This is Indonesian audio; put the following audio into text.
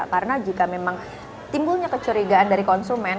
karena jika memang timbulnya kecurigaan dari konsumen